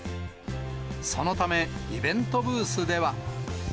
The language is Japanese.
そのため、イベントブースでは。